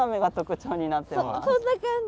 そんな感じ。